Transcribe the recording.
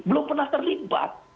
belum pernah terlibat